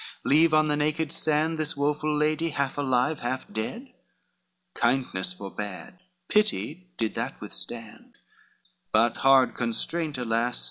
leave on the naked sand This woful lady half alive, half dead? Kindness forbade, pity did that withstand; But hard constraint, alas!